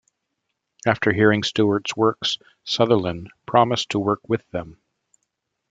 After hearing Stuart's words, Sutherlin promised to work with them.